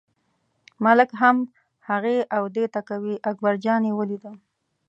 ملک هم هغې او دې ته کوي، اکبرجان یې ولیده.